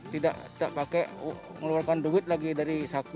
tidak pakai mengeluarkan duit lagi dari saku